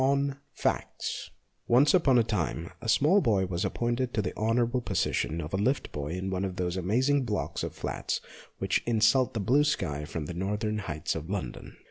V ON FACTS ONCE upon a time a small boy was appointed to the honourable position of lift boy in one of those amazing blocks of flats which insult the blue sky from the northern heights of London.